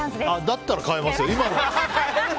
だったら変えますよ。